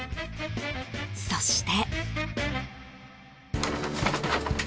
そして。